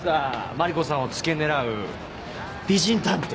マリコさんをつけ狙う美人探偵。